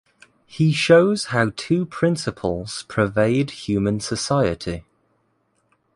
He shows how two principles pervade human society.